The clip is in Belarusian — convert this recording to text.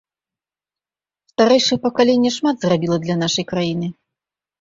Старэйшае пакаленне шмат зрабіла для нашай краіны.